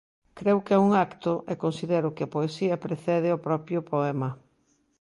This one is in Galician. Creo que é un acto e considero que a poesía precede ao propio poema.